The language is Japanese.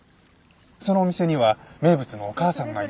そのお店には名物のお母さんがいて。